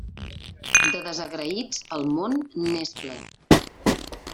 De desagraïts el món n'és ple.